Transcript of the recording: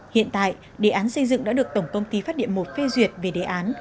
hiện tại đề án xây dựng đã được tổng công ty phát điện một phê duyệt về đề án